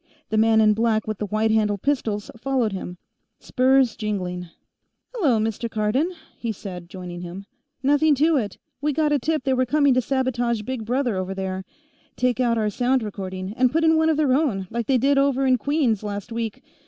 The man in black with the white handled pistols followed him, spurs jingling. "Hello, Mr. Cardon," he said, joining him. "Nothing to it. We got a tip they were coming to sabotage Big Brother, over there. Take out our sound recording, and put in one of their own, like they did over in Queens, last week.